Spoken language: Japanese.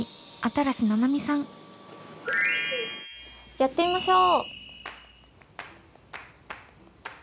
やってみましょう！